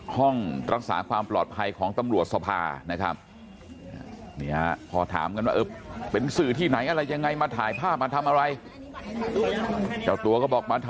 ห้องรักษาความปลอดภัยของตำรวจสภานะครับ